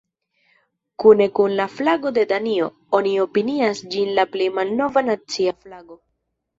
Kune kun la flago de Danio, oni opinias ĝin la plej malnova nacia flago.